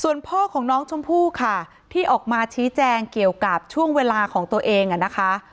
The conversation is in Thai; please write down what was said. พ่อของน้องชมพู่ค่ะที่ออกมาชี้แจงเกี่ยวกับช่วงเวลาของตัวเองนะคะ